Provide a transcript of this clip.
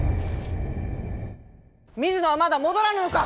水野はまだ戻らぬのか！